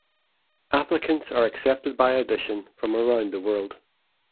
Applicants are accepted by audition from around the world.